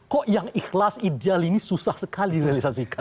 kok yang ikhlas ideal ini susah sekali direalisasikan